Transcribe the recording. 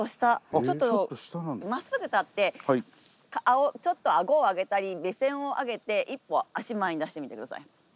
ちょっとまっすぐ立ってちょっと顎を上げたり目線を上げて１歩足前に出してみて下さい。